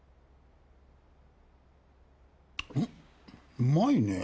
うまいねぇ。